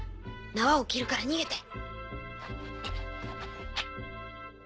ナワを切るから逃げて。